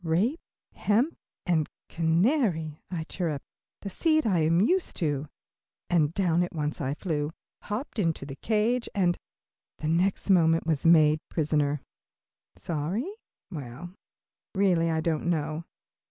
"Rape, hemp and canary," I chirped, "the seed I am used to," and down I at once flew, hopped into the cage, and, the next moment, was made prisoner. Sorry? Well, really I don't know.